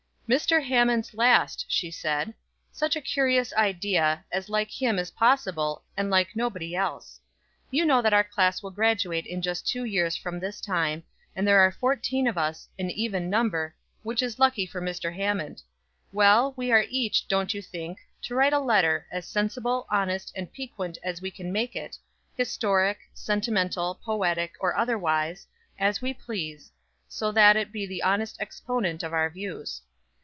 "Mr. Hammond's last," she said. "Such a curious idea, as like him as possible, and like nobody else. You know that our class will graduate in just two years from this time, and there are fourteen of us, an even number, which is lucky for Mr. Hammond. Well, we are each, don't you think, to write a letter, as sensible, honest, and piquant as we can make it, historic, sentimental, poetic, or otherwise, as we please, so that it be the honest exponent of our views.